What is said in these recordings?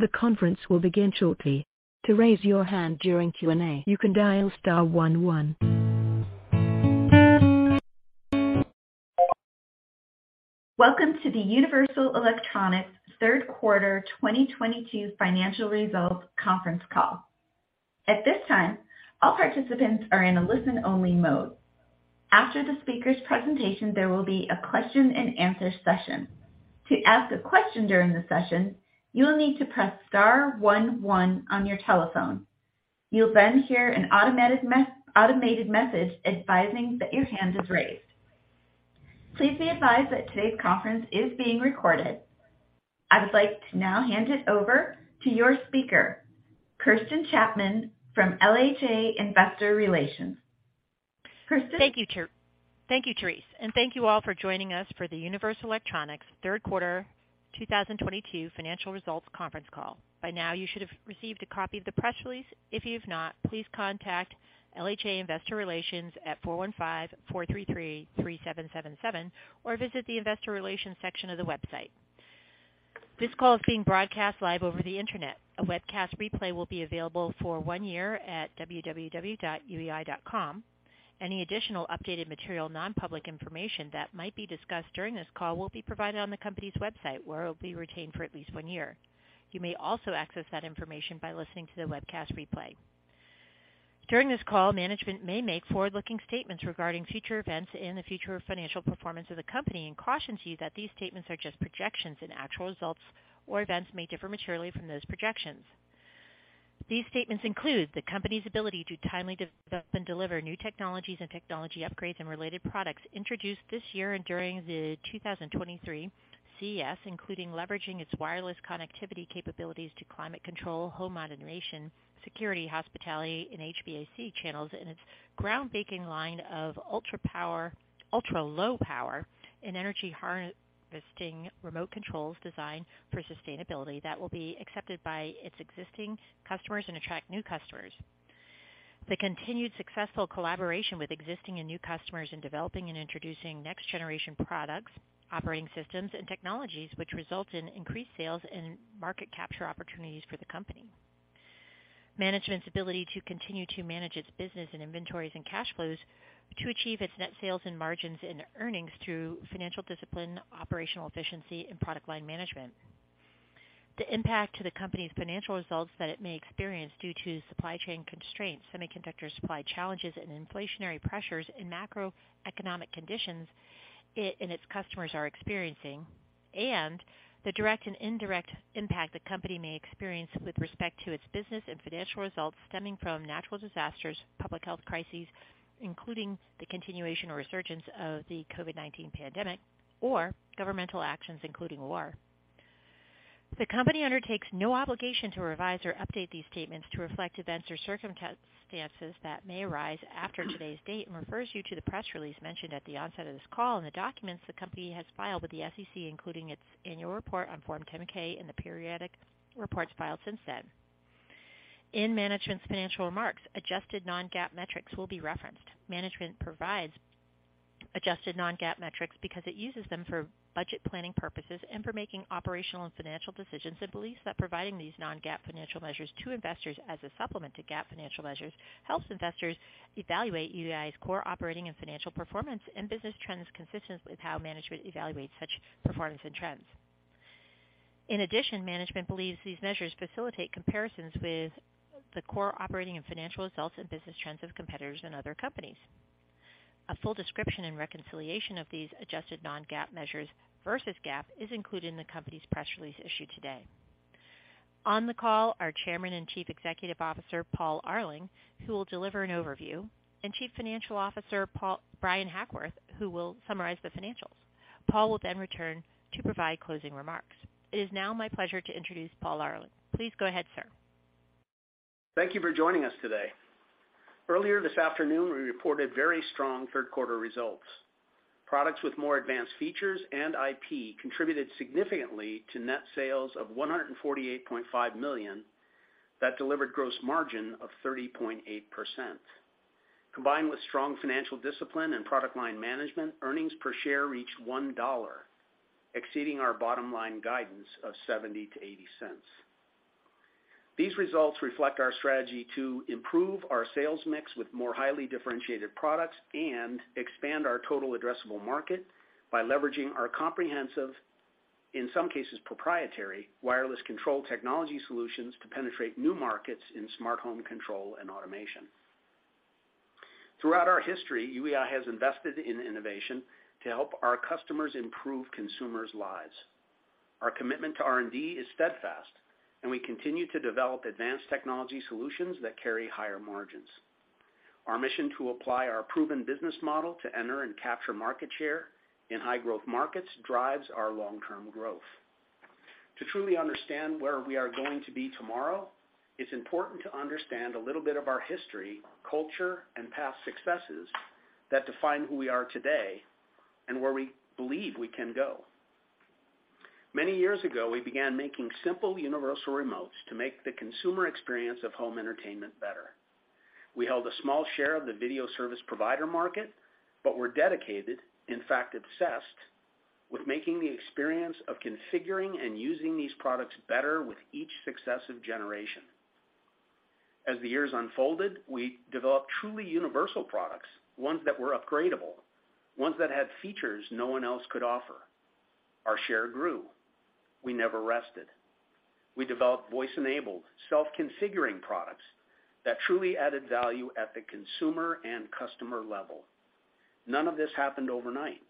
The conference will begin shortly. To raise your hand during Q&A, you can dial star one one. Welcome to The Universal Electronics Third Quarter 2022 Financial Results Conference Call. At this time, all participants are in a listen-only mode. After the speaker's presentation, there will be a question-and-answer session. To ask a question during the session, you will need to press star one one on your telephone. You'll then hear an automated message advising that your hand is raised. Please be advised that today's conference is being recorded. I would like to now hand it over to your speaker, Kirsten Chapman from LHA Investor Relations. Kirsten? Thank you, Therese, and thank you all for joining us for the Universal Electronics third quarter 2022 financial results conference call. By now, you should have received a copy of the press release. If you have not, please contact LHA Investor Relations at 415-433-3777, or visit the investor relations section of the website. This call is being broadcast live over the Internet. A webcast replay will be available for one year at www.uei.com. Any additional updated material, non-public information that might be discussed during this call will be provided on the company's website, where it will be retained for at least one year. You may also access that information by listening to the webcast replay. During this call, management may make forward-looking statements regarding future events and the future financial performance of the company and cautions you that these statements are just projections and actual results or events may differ materially from those projections. These statements include the company's ability to timely develop and deliver new technologies and technology upgrades and related products introduced this year and during the 2023 CES, including leveraging its wireless connectivity capabilities to climate control, home automation, security, hospitality, and HVAC channels, and its groundbreaking line of ultra-low power and energy harvesting remote controls designed for sustainability that will be accepted by its existing customers and attract new customers. The continued successful collaboration with existing and new customers in developing and introducing next-generation products, operating systems, and technologies which result in increased sales and market capture opportunities for the company. Management's ability to continue to manage its business and inventories and cash flows to achieve its net sales and margins and earnings through financial discipline, operational efficiency, and product line management. The impact to the company's financial results that it may experience due to supply chain constraints, semiconductor supply challenges and inflationary pressures, and macroeconomic conditions it and its customers are experiencing. The direct and indirect impact the company may experience with respect to its business and financial results stemming from natural disasters, public health crises, including the continuation or resurgence of the COVID-19 pandemic or governmental actions, including war. The company undertakes no obligation to revise or update these statements to reflect events or circumstances that may arise after today's date and refers you to the press release mentioned at the onset of this call and the documents the company has filed with the SEC, including its Annual Report on Form 10-K and the periodic reports filed since then. In management's financial remarks, adjusted non-GAAP metrics will be referenced. Management provides adjusted non-GAAP metrics because it uses them for budget planning purposes and for making operational and financial decisions. It believes that providing these non-GAAP financial measures to investors as a supplement to GAAP financial measures helps investors evaluate UEI's core operating and financial performance and business trends consistent with how management evaluates such performance and trends. In addition, management believes these measures facilitate comparisons with the core operating and financial results and business trends of competitors and other companies. A full description and reconciliation of these adjusted non-GAAP measures versus GAAP is included in the company's press release issued today. On the call are Chairman and Chief Executive Officer, Paul Arling, who will deliver an overview, and Chief Financial Officer, Bryan Hackworth, who will summarize the financials. Paul will then return to provide closing remarks. It is now my pleasure to introduce Paul Arling. Please go ahead, sir. Thank you for joining us today. Earlier this afternoon, we reported very strong third quarter results. Products with more advanced features and IP contributed significantly to net sales of $148.5 million that delivered gross margin of 30.8%. Combined with strong financial discipline and product line management, earnings per share reached $1, exceeding our bottom line guidance of $0.70-$0.80. These results reflect our strategy to improve our sales mix with more highly differentiated products and expand our total addressable market by leveraging our comprehensive, in some cases proprietary, wireless control technology solutions to penetrate new markets in smart home control and automation. Throughout our history, UEI has invested in innovation to help our customers improve consumers' lives. Our commitment to R&D is steadfast, and we continue to develop advanced technology solutions that carry higher margins. Our mission to apply our proven business model to enter and capture market share in high growth markets drives our long-term growth. To truly understand where we are going to be tomorrow, it's important to understand a little bit of our history, culture, and past successes that define who we are today and where we believe we can go. Many years ago, we began making simple universal remotes to make the consumer experience of home entertainment better. We held a small share of the video service provider market, but were dedicated, in fact, obsessed, with making the experience of configuring and using these products better with each successive generation. As the years unfolded, we developed truly universal products, ones that were upgradable, ones that had features no one else could offer. Our share grew. We never rested. We developed voice-enabled, self-configuring products that truly added value at the consumer and customer level. None of this happened overnight,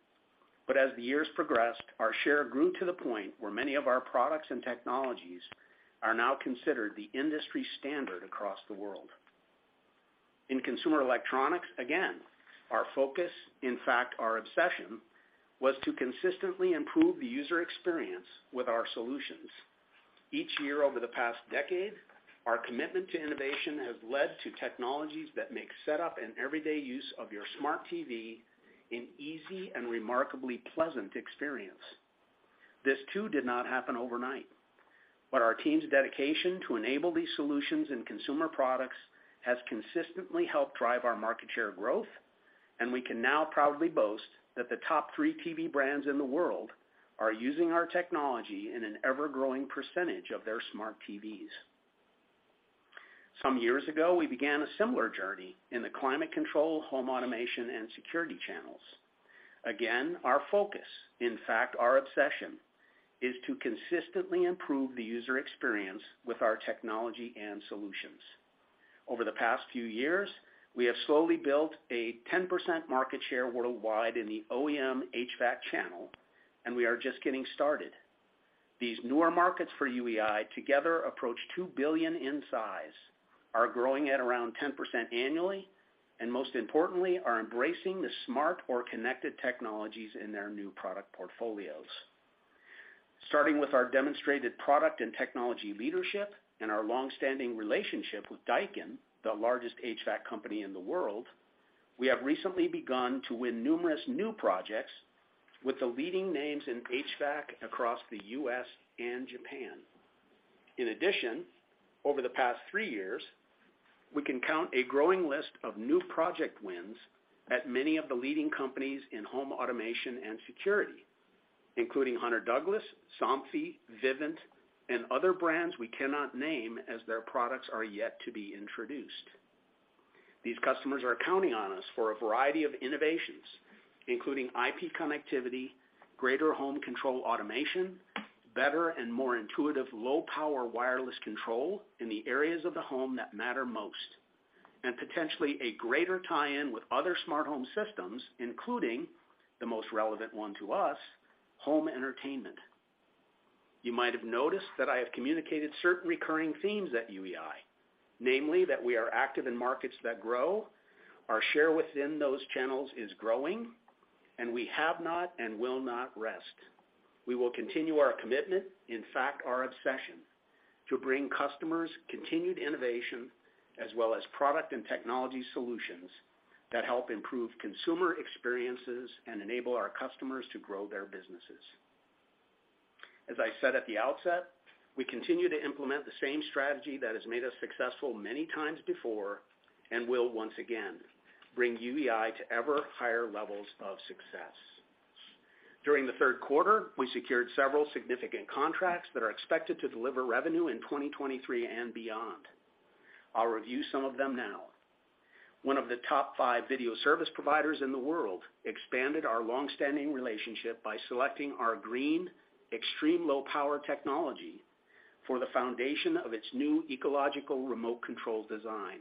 but as the years progressed, our share grew to the point where many of our products and technologies are now considered the industry standard across the world. In consumer electronics, again, our focus, in fact, our obsession, was to consistently improve the user experience with our solutions. Each year over the past decade, our commitment to innovation has led to technologies that make setup and everyday use of your smart TV an easy and remarkably pleasant experience. This too did not happen overnight, but our team's dedication to enable these solutions in consumer products has consistently helped drive our market share growth, and we can now proudly boast that the top three TV brands in the world are using our technology in an ever-growing percentage of their smart TVs. Some years ago, we began a similar journey in the climate control, home automation, and security channels. Again, our focus, in fact, our obsession, is to consistently improve the user experience with our technology and solutions. Over the past few years, we have slowly built a 10% market share worldwide in the OEM HVAC channel, and we are just getting started. These newer markets for UEI together approach $2 billion in size, are growing at around 10% annually, and most importantly, are embracing the smart or connected technologies in their new product portfolios. Starting with our demonstrated product and technology leadership and our long-standing relationship with Daikin, the largest HVAC company in the world, we have recently begun to win numerous new projects with the leading names in HVAC across the U.S. and Japan. In addition, over the past three years, we can count a growing list of new project wins at many of the leading companies in home automation and security, including Hunter Douglas, Somfy, Vivint, and other brands we cannot name as their products are yet to be introduced. These customers are counting on us for a variety of innovations, including IP connectivity, greater home control automation, better and more intuitive low-power wireless control in the areas of the home that matter most, and potentially a greater tie-in with other smart home systems, including the most relevant one to us, home entertainment. You might have noticed that I have communicated certain recurring themes at UEI, namely that we are active in markets that grow, our share within those channels is growing, and we have not and will not rest. We will continue our commitment, in fact, our obsession, to bring customers continued innovation as well as product and technology solutions that help improve consumer experiences and enable our customers to grow their businesses. As I said at the outset, we continue to implement the same strategy that has made us successful many times before and will once again bring UEI to ever higher levels of success. During the third quarter, we secured several significant contracts that are expected to deliver revenue in 2023 and beyond. I'll review some of them now. One of the top five video service providers in the world expanded our long-standing relationship by selecting our green, extreme low-power technology for the foundation of its new ecological remote control design.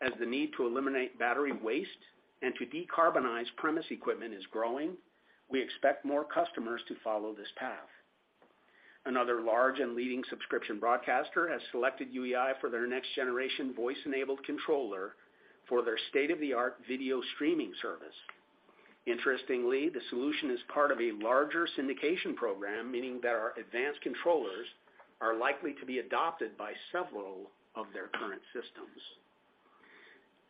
As the need to eliminate battery waste and to decarbonize premise equipment is growing, we expect more customers to follow this path. Another large and leading subscription broadcaster has selected UEI for their next-generation voice-enabled controller for their state-of-the-art video streaming service. Interestingly, the solution is part of a larger syndication program, meaning that our advanced controllers are likely to be adopted by several of their current systems.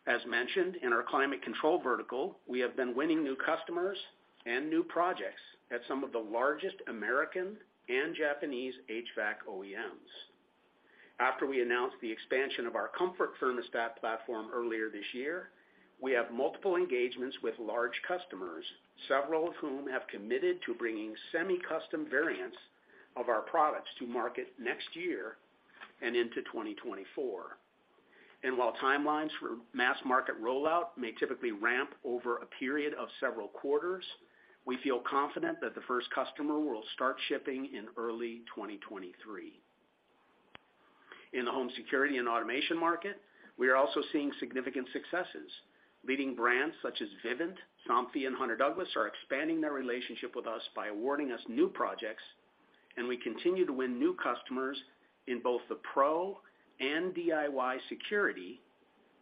As mentioned, in our climate control vertical, we have been winning new customers and new projects at some of the largest American and Japanese HVAC OEMs. After we announced the expansion of our comfort thermostat platform earlier this year, we have multiple engagements with large customers, several of whom have committed to bringing semi-custom variants of our products to market next year and into 2024. While timelines for mass market rollout may typically ramp over a period of several quarters, we feel confident that the first customer will start shipping in early 2023. In the home security and automation market, we are also seeing significant successes. Leading brands such as Vivint, Somfy, and Hunter Douglas are expanding their relationship with us by awarding us new projects, and we continue to win new customers in both the pro and DIY security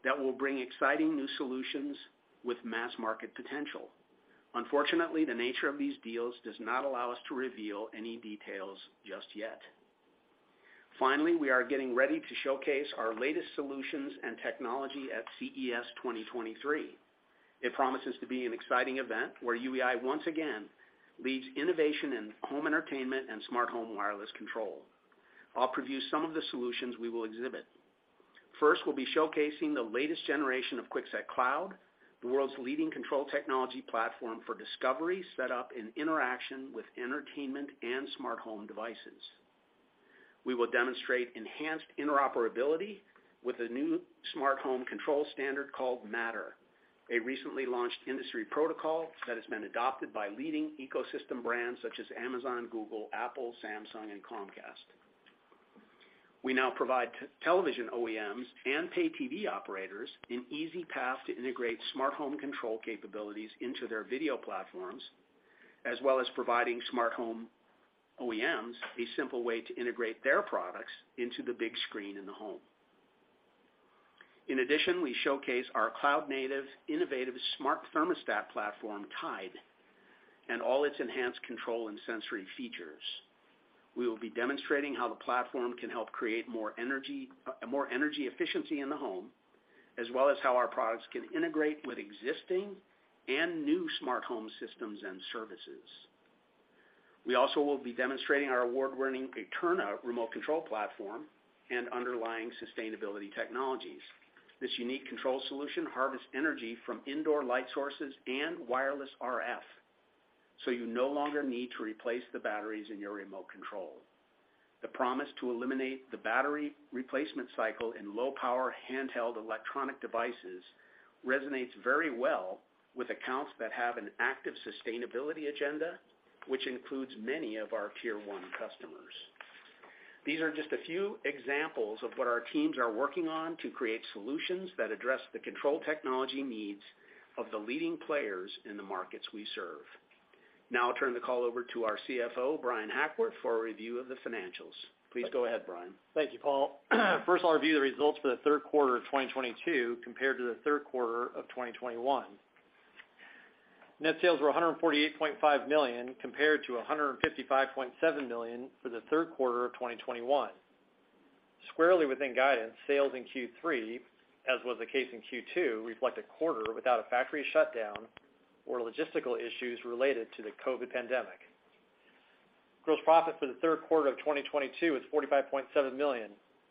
that will bring exciting new solutions with mass market potential. Unfortunately, the nature of these deals does not allow us to reveal any details just yet. Finally, we are getting ready to showcase our latest solutions and technology at CES 2023. It promises to be an exciting event where UEI once again leads innovation in home entertainment and smart home wireless control. I'll preview some of the solutions we will exhibit. First, we'll be showcasing the latest generation of QuickSet Cloud, the world's leading control technology platform for discovery, setup, and interaction with entertainment and smart home devices. We will demonstrate enhanced interoperability with a new smart home control standard called Matter, a recently launched industry protocol that has been adopted by leading ecosystem brands such as Amazon, Google, Apple, Samsung and Comcast. We now provide television OEMs and pay TV operators an easy path to integrate smart home control capabilities into their video platforms, as well as providing smart home OEMs a simple way to integrate their products into the big screen in the home. In addition, we showcase our cloud-native, innovative Smart Thermostat Platform, Tide, and all its enhanced control and sensory features. We will be demonstrating how the platform can help create more energy, more energy efficiency in the home, as well as how our products can integrate with existing and new smart home systems and services. We also will be demonstrating our award-winning Eterna remote control platform and underlying sustainability technologies. This unique control solution harvests energy from indoor light sources and wireless RF, so you no longer need to replace the batteries in your remote control. The promise to eliminate the battery replacement cycle in low-power handheld electronic devices resonates very well with accounts that have an active sustainability agenda, which includes many of our tier one customers. These are just a few examples of what our teams are working on to create solutions that address the control technology needs of the leading players in the markets we serve. Now I'll turn the call over to our CFO, Bryan Hackworth, for a review of the financials. Please go ahead, Bryan. Thank you, Paul. First, I'll review the results for the third quarter of 2022 compared to the third quarter of 2021. Net sales were $148.5 million, compared to $155.7 million for the third quarter of 2021. Squarely within guidance, sales in Q3, as was the case in Q2, reflect a quarter without a factory shutdown or logistical issues related to the COVID pandemic. Gross profit for the third quarter of 2022 was $45.7 million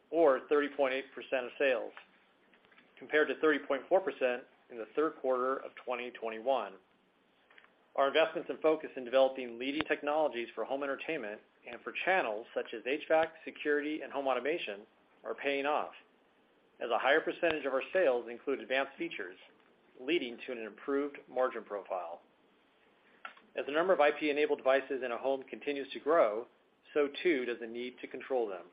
or 30.8% of sales, compared to 30.4% in the third quarter of 2021. Our investments and focus in developing leading technologies for home entertainment and for channels such as HVAC, security, and home automation are paying off as a higher percentage of our sales include advanced features, leading to an improved margin profile. As the number of IP-enabled devices in a home continues to grow, so too does the need to control them.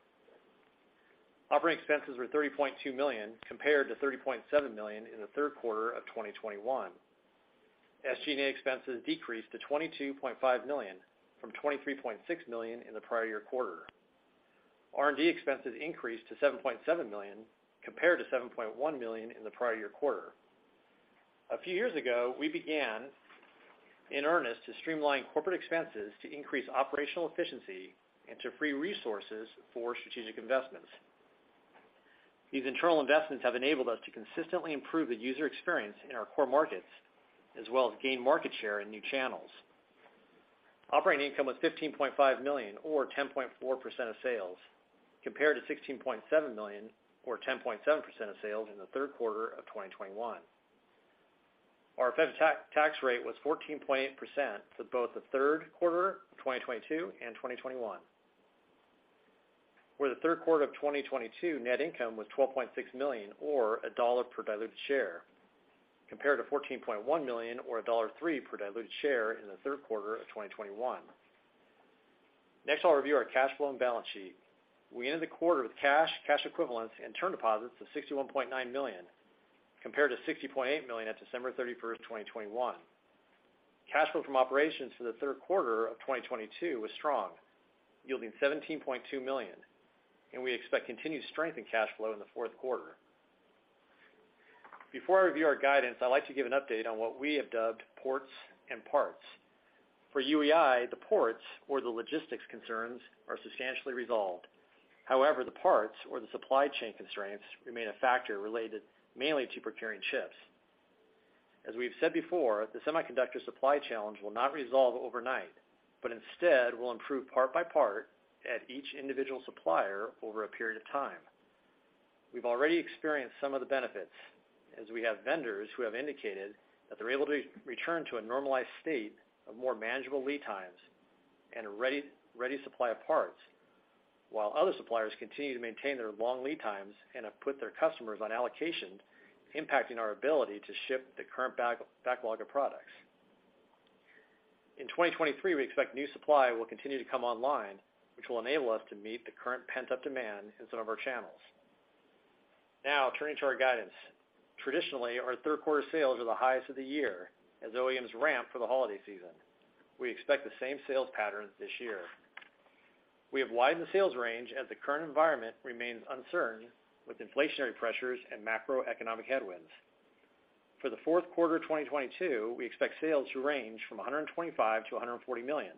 Operating expenses were $30.2 million, compared to $30.7 million in the third quarter of 2021. SG&A expenses decreased to $22.5 million from $23.6 million in the prior year quarter. R&D expenses increased to $7.7 million, compared to $7.1 million in the prior year quarter. A few years ago, we began in earnest to streamline corporate expenses to increase operational efficiency and to free resources for strategic investments. These internal investments have enabled us to consistently improve the user experience in our core markets, as well as gain market share in new channels. Operating income was $15.5 million or 10.4% of sales, compared to $16.7 million or 10.7% of sales in the third quarter of 2021. Our effective tax rate was 14.8% for both the third quarter of 2022 and 2021, where the third quarter of 2022 net income was $12.6 million or $1 per diluted share, compared to $14.1 million or $1.03 per diluted share in the third quarter of 2021. Next, I'll review our cash flow and balance sheet. We ended the quarter with cash equivalents, and term deposits of $61.9 million, compared to $60.8 million at December 31, 2021. Cash flow from operations for the third quarter of 2022 was strong, yielding $17.2 million, and we expect continued strength in cash flow in the fourth quarter. Before I review our guidance, I'd like to give an update on what we have dubbed ports and parts. For UEI, the ports or the logistics concerns are substantially resolved. However, the parts or the supply chain constraints remain a factor related mainly to procuring chips. As we've said before, the semiconductor supply challenge will not resolve overnight, but instead will improve part by part at each individual supplier over a period of time. We've already experienced some of the benefits as we have vendors who have indicated that they're able to return to a normalized state of more manageable lead times and a ready supply of parts, while other suppliers continue to maintain their long lead times and have put their customers on allocation, impacting our ability to ship the current backlog of products. In 2023, we expect new supply will continue to come online, which will enable us to meet the current pent-up demand in some of our channels. Now turning to our guidance. Traditionally, our third quarter sales are the highest of the year as OEMs ramp for the holiday season. We expect the same sales pattern this year. We have widened the sales range as the current environment remains uncertain with inflationary pressures and macroeconomic headwinds. For the fourth quarter of 2022, we expect sales to range from $125 million-$140 million,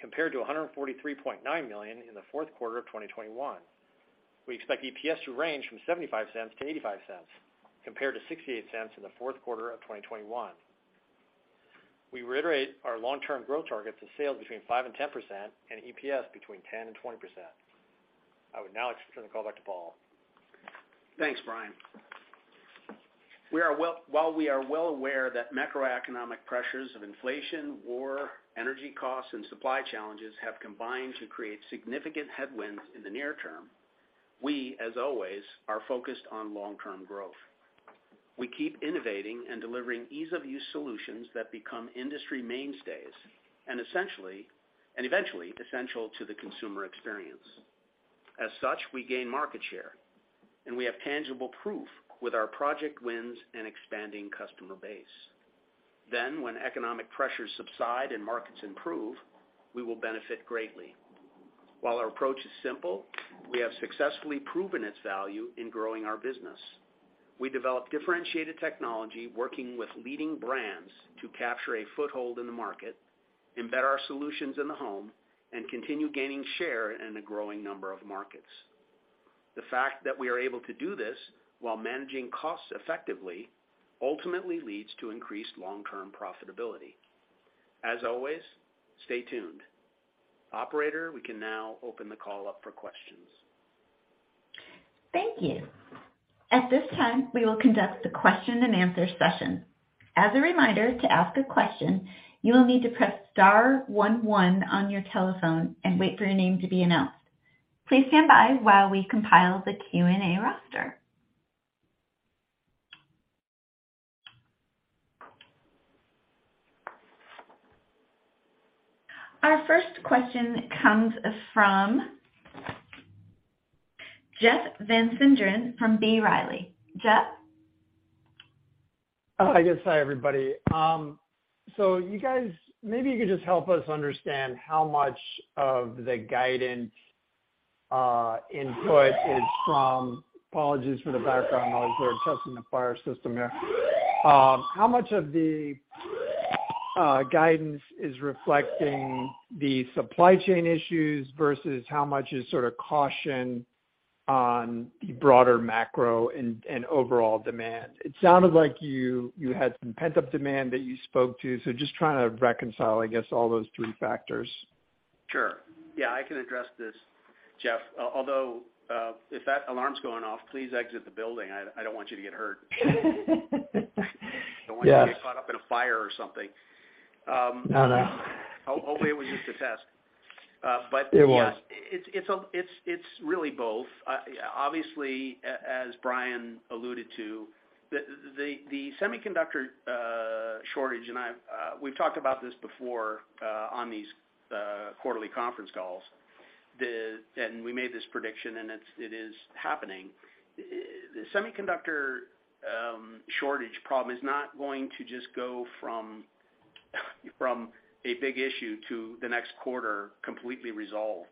compared to $143.9 million in the fourth quarter of 2021. We expect EPS to range from $0.75-$0.85, compared to $0.68 in the fourth quarter of 2021. We reiterate our long-term growth target to sales between 5%-10% and EPS between 10%-20%. I would now turn the call back to Paul. Thanks, Brian. While we are well aware that macroeconomic pressures of inflation, war, energy costs, and supply challenges have combined to create significant headwinds in the near term, we, as always, are focused on long-term growth. We keep innovating and delivering ease-of-use solutions that become industry mainstays and eventually essential to the consumer experience. As such, we gain market share, and we have tangible proof with our project wins and expanding customer base. When economic pressures subside and markets improve, we will benefit greatly. While our approach is simple, we have successfully proven its value in growing our business. We develop differentiated technology working with leading brands to capture a foothold in the market, embed our solutions in the home, and continue gaining share in a growing number of markets. The fact that we are able to do this while managing costs effectively ultimately leads to increased long-term profitability. As always, stay tuned. Operator, we can now open the call up for questions. Thank you. At this time, we will conduct a question-and-answer session. As a reminder, to ask a question, you will need to press star one one on your telephone and wait for your name to be announced. Please stand by while we compile the Q&A roster. Our first question comes from Jeff Van Sinderen from B. Riley Securities. Jeff? I guess hi, everybody. You guys, maybe you could just help us understand how much of the guidance. Apologies for the background noise. They're testing the fire system here. How much of the guidance is reflecting the supply chain issues versus how much is sort of caution on the broader macro and overall demand? It sounded like you had some pent-up demand that you spoke to, so just trying to reconcile, I guess, all those three factors. Sure. Yeah, I can address this, Jeff. Although, if that alarm's going off, please exit the building. I don't want you to get hurt. Yes. Don't want you to get caught up in a fire or something. No, no. Hopefully it was just a test. Yes- It was. It's really both. Obviously, as Brian alluded to, the semiconductor shortage, and we've talked about this before on these quarterly conference calls. We made this prediction, and it is happening. The semiconductor shortage problem is not going to just go from a big issue to the next quarter completely resolved.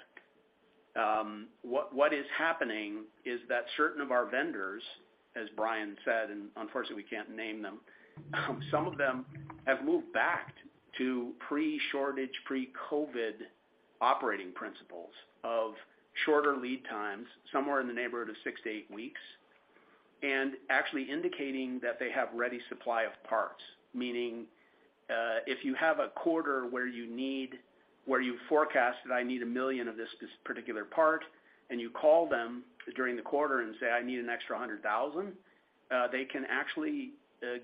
What is happening is that certain of our vendors, as Brian said, and unfortunately we can't name them, some of them have moved back to pre-shortage, pre-COVID operating principles of shorter lead times, somewhere in the neighborhood of 6-8 weeks, and actually indicating that they have ready supply of parts. Meaning, if you have a quarter where you forecast that I need 1 million of this particular part, and you call them during the quarter and say, "I need an extra 100,000," they can actually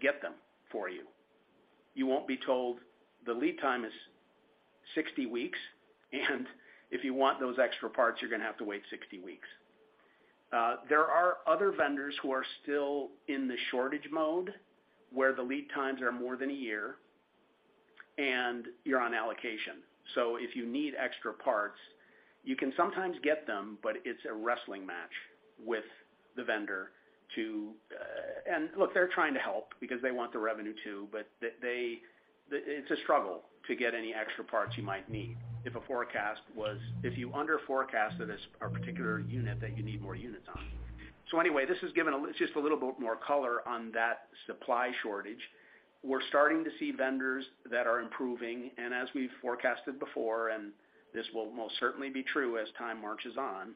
get them for you. You won't be told the lead time is 60 weeks, and if you want those extra parts, you're gonna have to wait 60 weeks. There are other vendors who are still in the shortage mode, where the lead times are more than a year, and you're on allocation. If you need extra parts, you can sometimes get them, but it's a wrestling match with the vendor to. Look, they're trying to help because they want the revenue too, but it's a struggle to get any extra parts you might need if you underforecasted a particular unit that you need more units on. Anyway, this has given just a little bit more color on that supply shortage. We're starting to see vendors that are improving. As we've forecasted before, and this will most certainly be true as time marches on,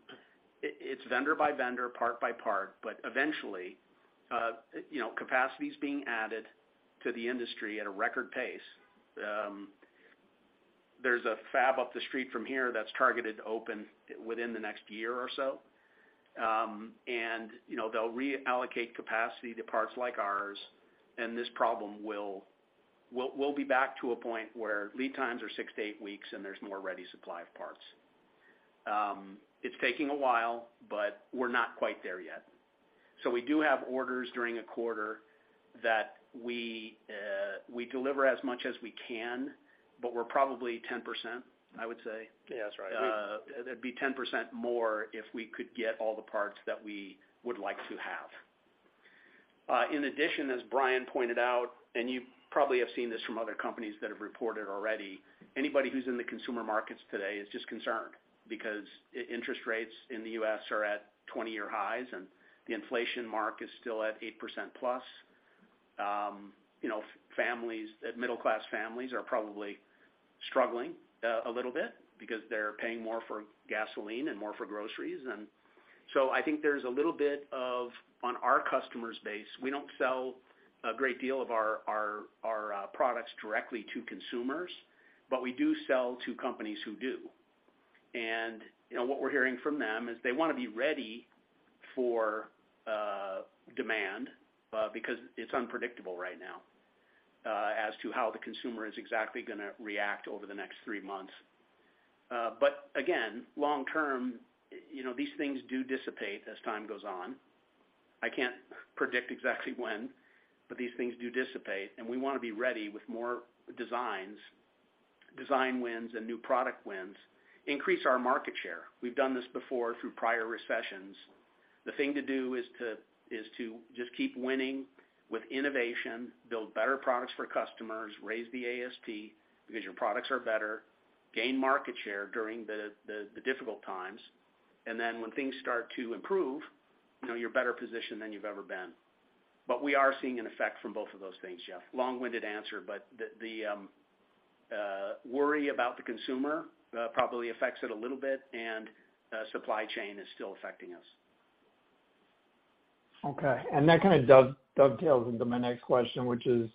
it's vendor by vendor, part by part. Eventually, you know, capacity is being added to the industry at a record pace. There's a fab up the street from here that's targeted to open within the next year or so. you know, they'll reallocate capacity to parts like ours, and this problem will. We'll be back to a point where lead times are 6-8 weeks, and there's more ready supply of parts. It's taking a while, but we're not quite there yet. We do have orders during a quarter that we deliver as much as we can, but we're probably 10%, I would say. Yeah, that's right. It'd be 10% more if we could get all the parts that we would like to have. In addition, as Brian pointed out, and you probably have seen this from other companies that have reported already, anybody who's in the consumer markets today is just concerned because interest rates in the U.S. are at 20-year highs, and the inflation rate is still at 8%+. You know, middle-class families are probably struggling a little bit because they're paying more for gasoline and more for groceries. I think there's a little bit of, on our customer base, we don't sell a great deal of our products directly to consumers, but we do sell to companies who do. You know, what we're hearing from them is they wanna be ready for demand because it's unpredictable right now as to how the consumer is exactly gonna react over the next three months. But again, long term, you know, these things do dissipate as time goes on. I can't predict exactly when, but these things do dissipate, and we wanna be ready with more designs, design wins and new product wins, increase our market share. We've done this before through prior recessions. The thing to do is to just keep winning with innovation, build better products for customers, raise the ASP because your products are better, gain market share during the difficult times, and then when things start to improve, you know, you're better positioned than you've ever been. But we are seeing an effect from both of those things, Jeff. Long-winded answer, but the worry about the consumer probably affects it a little bit, and supply chain is still affecting us. Okay. That kind of dovetails into my next question, which is,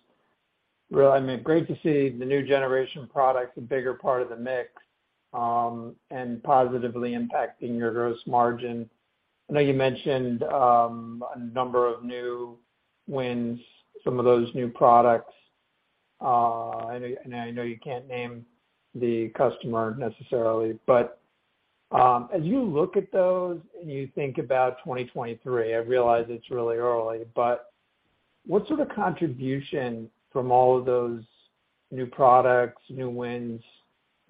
well, I mean, great to see the new generation products, a bigger part of the mix, and positively impacting your gross margin. I know you mentioned a number of new wins, some of those new products. And I know you can't name the customer necessarily, but as you look at those and you think about 2023, I realize it's really early, but what sort of contribution from all of those new products, new wins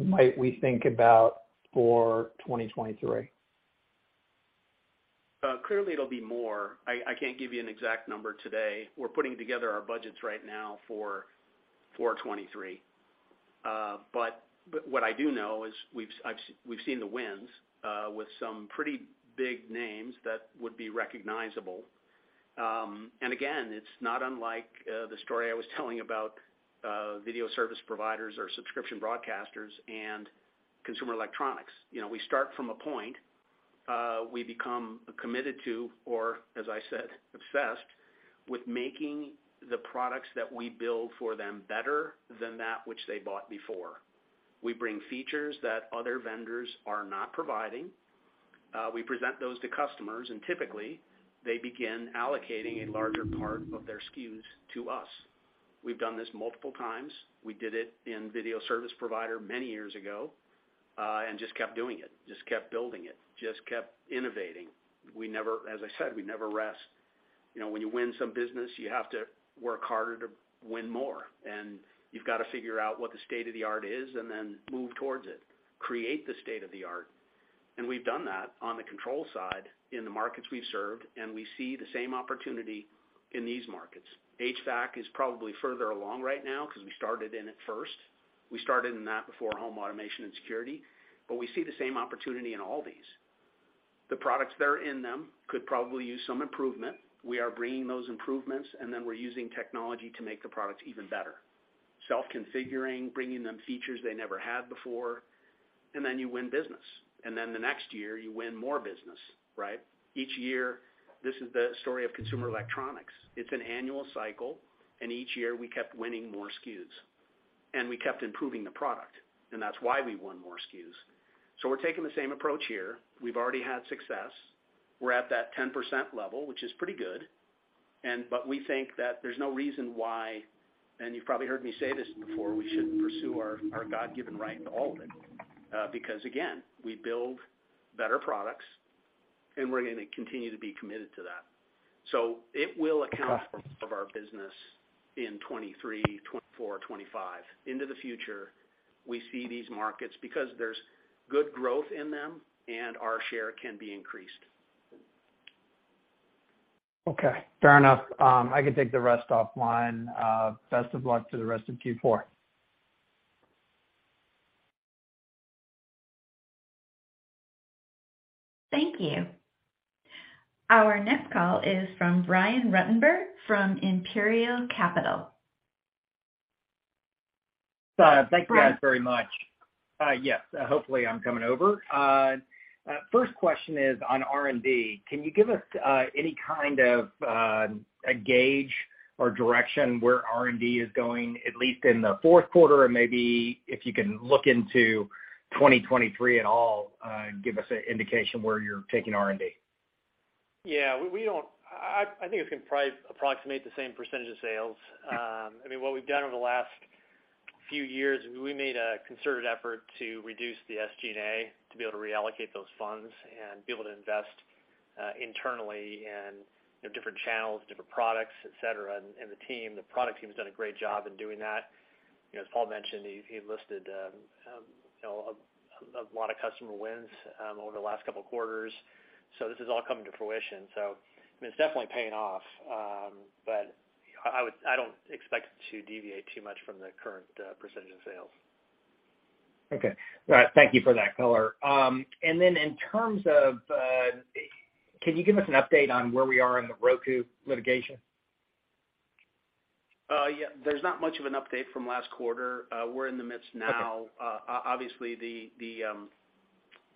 might we think about for 2023? Clearly it'll be more. I can't give you an exact number today. We're putting together our budgets right now for 2023. What I do know is we've seen the wins with some pretty big names that would be recognizable. Again, it's not unlike the story I was telling about video service providers or subscription broadcasters and consumer electronics. You know, we start from a point, we become committed to, or as I said, obsessed with making the products that we build for them better than that which they bought before. We bring features that other vendors are not providing. We present those to customers, and typically, they begin allocating a larger part of their SKUs to us. We've done this multiple times. We did it in video service provider many years ago, and just kept doing it, just kept building it, just kept innovating. As I said, we never rest. You know, when you win some business, you have to work harder to win more. You've got to figure out what the state of the art is and then move towards it, create the state of the art. We've done that on the controls side in the markets we've served, and we see the same opportunity in these markets. HVAC is probably further along right now 'cause we started in it first. We started in that before home automation and security. We see the same opportunity in all these. The products that are in them could probably use some improvement. We are bringing those improvements, and then we're using technology to make the products even better. Self-configuring, bringing them features they never had before, and then you win business. The next year, you win more business, right? Each year, this is the story of consumer electronics. It's an annual cycle, and each year we kept winning more SKUs, and we kept improving the product, and that's why we won more SKUs. We're taking the same approach here. We've already had success. We're at that 10% level, which is pretty good, we think that there's no reason why, and you've probably heard me say this before, we shouldn't pursue our God-given right to all of it. Because again, we build better products, and we're gonna continue to be committed to that. It will account for of our business in 2023, 2024, 2025 into the future. We see these markets because there's good growth in them, and our share can be increased. Okay, fair enough. I can take the rest offline. Best of luck to the rest of Q4. Thank you. Our next call is from Brian Ruttenbur from Imperial Capital. Thank you guys very much. Yes, hopefully, I'm coming over. First question is on R&D. Can you give us any kind of a gauge or direction where R&D is going, at least in the fourth quarter or maybe if you can look into 2023 at all, give us an indication where you're taking R&D? Yeah. We don't. I think it's gonna approximate the same percentage of sales. I mean, what we've done over the last few years, we made a concerted effort to reduce the SG&A to be able to reallocate those funds and be able to invest internally in, you know, different channels, different products, et cetera. The team, the product team has done a great job in doing that. You know, as Paul mentioned, he listed, you know, a lot of customer wins over the last couple quarters. This is all coming to fruition. I mean, it's definitely paying off. But I don't expect it to deviate too much from the current percentage of sales. Okay. All right. Thank you for that color. In terms of, can you give us an update on where we are in the Roku Litigation? Yeah, there's not much of an update from last quarter. We're in the midst now. Okay. Obviously, the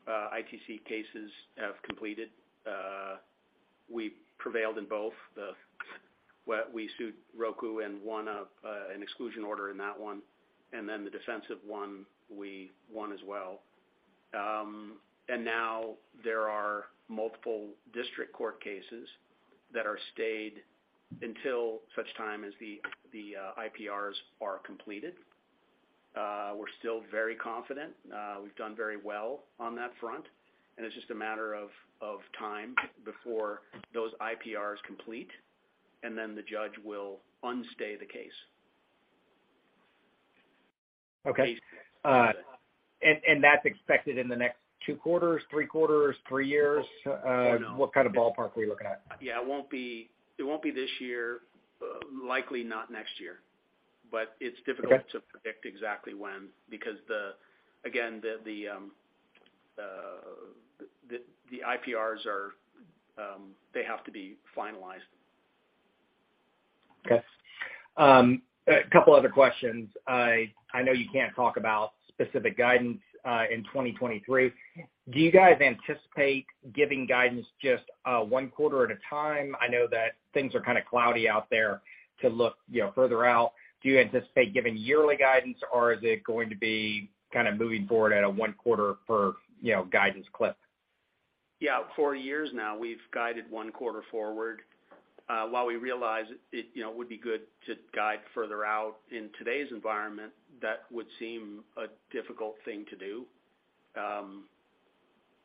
ITC Cases have completed. We prevailed in both. We sued Roku and won an exclusion order in that one, and then the defensive one, we won as well. Now there are multiple district court cases that are stayed until such time as the IPRs are completed. We're still very confident. We've done very well on that front, and it's just a matter of time before those IPRs complete, and then the judge will unstay the case. Okay. That's expected in the next 2 quarters, 3 quarters, 3 years? Oh, no. What kind of ballpark were you looking at? Yeah, it won't be this year, likely not next year. It's difficult. Okay to predict exactly when because, again, the IPRs are, they have to be finalized. Okay. A couple other questions. I know you can't talk about specific guidance in 2023. Do you guys anticipate giving guidance just one quarter at a time? I know that things are kinda cloudy out there to look, you know, further out. Do you anticipate giving yearly guidance, or is it going to be kinda moving forward at a one quarter per, you know, guidance clip? Yeah. For years now, we've guided one quarter forward. While we realize it, you know, would be good to guide further out in today's environment, that would seem a difficult thing to do,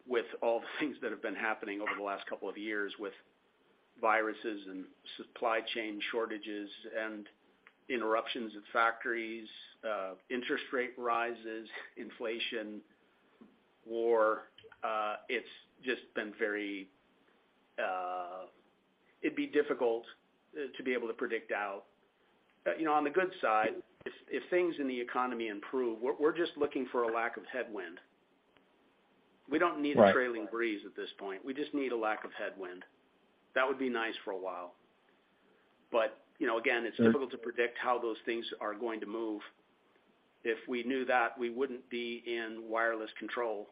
with all the things that have been happening over the last couple of years with viruses and supply chain shortages and interruptions at factories, interest rate rises, inflation, war. It's just been very. It'd be difficult to be able to predict out. You know, on the good side, if things in the economy improve, we're just looking for a lack of headwind. We don't need- Right A tailwind at this point. We just need a lack of headwind. That would be nice for a while. You know, again, it's difficult to predict how those things are going to move. If we knew that, we wouldn't be in wireless control.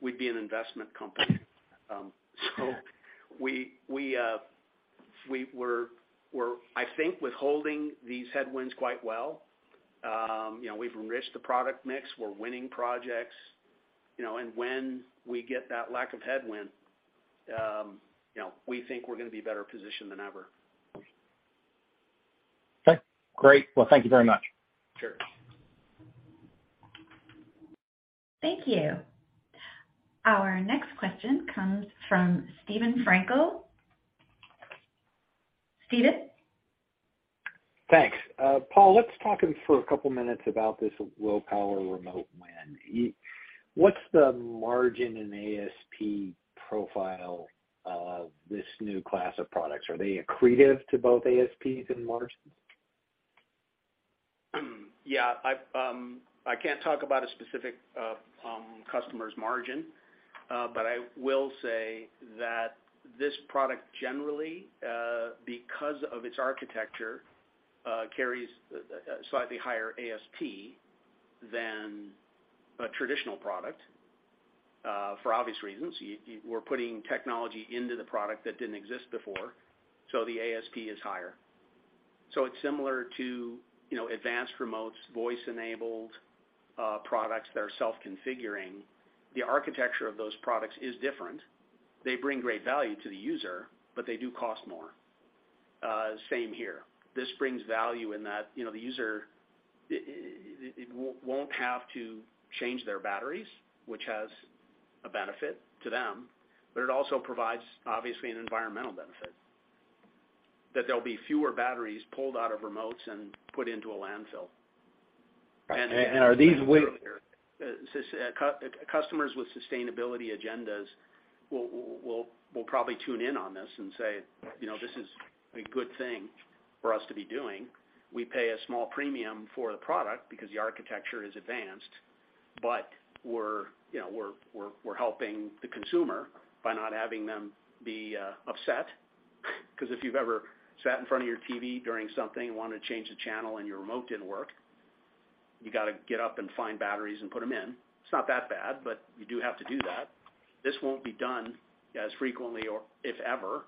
We'd be an investment company. We're weathering these headwinds quite well, I think. You know, we've enriched the product mix. We're winning projects, you know. When we get that lack of headwind, you know, we think we're gonna be better positioned than ever. Okay. Great. Well, thank you very much. Sure. Thank you. Our next question comes from Steven Frankel. Steven? Thanks. Paul, let's talk for a couple minutes about this low power remote win. What's the margin in ASP profile of this new class of products? Are they accretive to both ASPs and margins? Yeah. I can't talk about a specific customer's margin. I will say that this product generally, because of its architecture, carries a slightly higher ASP than a traditional product, for obvious reasons. We're putting technology into the product that didn't exist before, so the ASP is higher. It's similar to, you know, advanced remotes, voice-enabled products that are self-configuring. The architecture of those products is different. They bring great value to the user, but they do cost more. Same here. This brings value in that, you know, the user it won't have to change their batteries, which has a benefit to them, but it also provides, obviously, an environmental benefit, that there'll be fewer batteries pulled out of remotes and put into a landfill. And, and are these w- Customers with sustainability agendas will probably tune in on this and say, "You know, this is a good thing for us to be doing. We pay a small premium for the product because the architecture is advanced, but we're, you know, helping the consumer by not having them be upset." 'Cause if you've ever sat in front of your TV during something and wanted to change the channel and your remote didn't work, you gotta get up and find batteries and put them in. It's not that bad, but you do have to do that. This won't be done as frequently or if ever,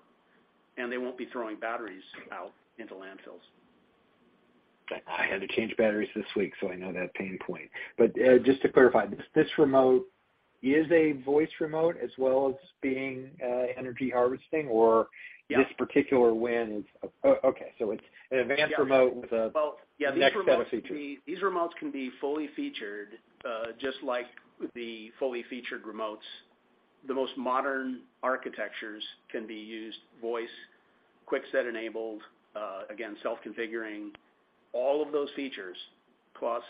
and they won't be throwing batteries out into landfills. I had to change batteries this week, so I know that pain point. Just to clarify, this remote is a voice remote as well as being energy harvesting or- Yeah This particular win is okay. It's an advanced remote. Yeah with the next set of features. Well, yeah, these remotes can be fully featured, just like the fully featured remotes. The most modern architectures can be used, voice, QuickSet enabled, again, self-configuring, all of those features plus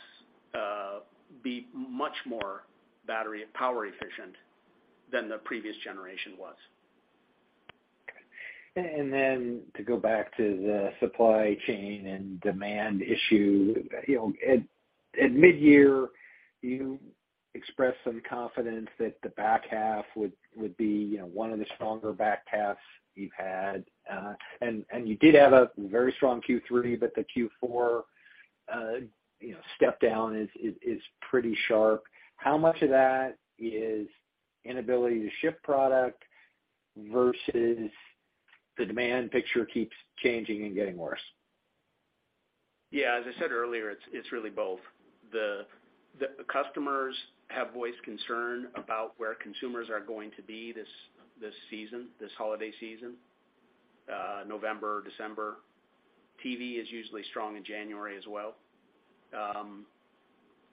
be much more battery power efficient than the previous generation was. Then to go back to the supply chain and demand issue, you know, at midyear, you expressed some confidence that the back half would be, you know, one of the stronger back halves you've had. You did have a very strong Q3, but the Q4 step down is pretty sharp. How much of that is inability to ship product versus the demand picture keeps changing and getting worse? Yeah, as I said earlier, it's really both. The customers have voiced concern about where consumers are going to be this season, this holiday season, November, December. TV is usually strong in January as well.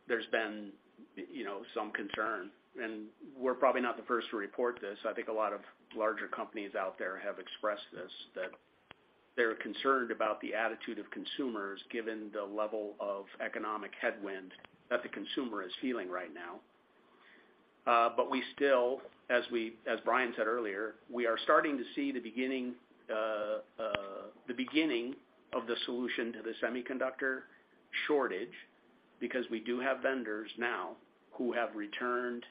There's been, you know, some concern, and we're probably not the first to report this. I think a lot of larger companies out there have expressed this, that they're concerned about the attitude of consumers given the level of economic headwind that the consumer is feeling right now. But we still, as Bryan said earlier, we are starting to see the beginning of the solution to the semiconductor shortage because we do have vendors now who have returned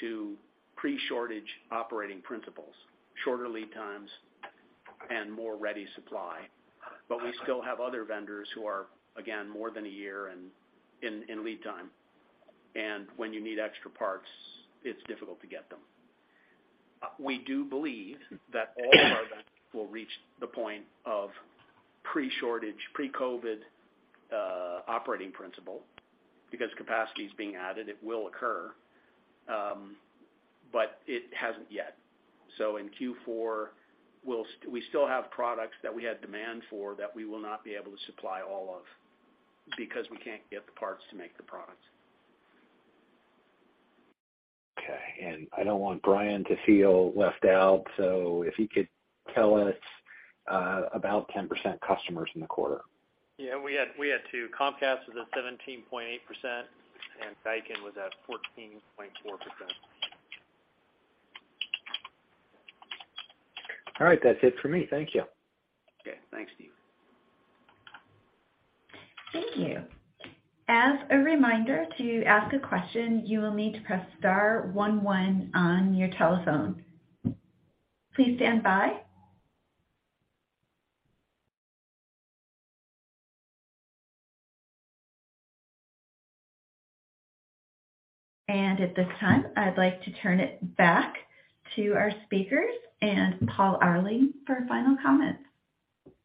to pre-shortage operating principles, shorter lead times and more ready supply. We still have other vendors who are, again, more than a year in lead time. When you need extra parts, it's difficult to get them. We do believe that all of our vendors will reach the point of pre-shortage, pre-COVID operating principle. Because capacity is being added, it will occur. It hasn't yet. In Q4, we'll still have products that we had demand for that we will not be able to supply all of because we can't get the parts to make the products. Okay. I don't want Bryan Hackworth to feel left out. If he could tell us about 10% customers in the quarter. We had two. Comcast was at 17.8%, and Daikin was at 14.4%. All right. That's it for me. Thank you. Okay. Thanks, Steve. Thank you. As a reminder, to ask a question, you will need to press star one one on your telephone. Please stand by. At this time, I'd like to turn it back to our speakers and Paul Arling for final comments.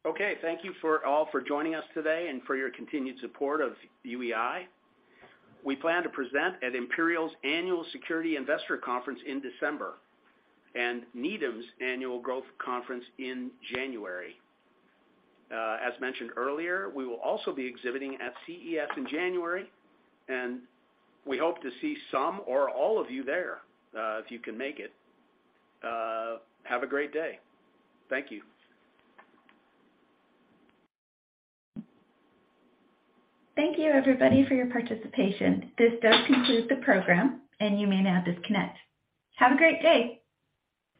Okay. Thank you for all for joining us today and for your continued support of UEI. We plan to present at Imperial's Annual Securities Investor Conference in December and Needham's Annual Growth Conference in January. As mentioned earlier, we will also be exhibiting at CES in January, and we hope to see some or all of you there, if you can make it. Have a great day. Thank you. Thank you everybody for your participation. This does conclude the program, and you may now disconnect. Have a great day.